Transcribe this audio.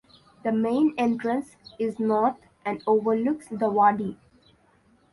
The main entrance is north and overlooks the wadi.